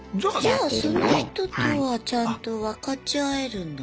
じゃあその人とはちゃんと分かち合えるんだね。